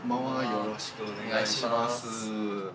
よろしくお願いします。